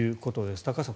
高橋さん